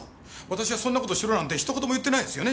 私はそんな事をしろなんて一言も言ってないですよね？